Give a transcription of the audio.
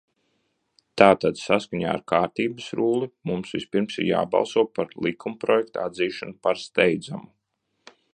Tātad saskaņā ar Kārtības rulli mums vispirms ir jābalso par likumprojekta atzīšanu par steidzamu.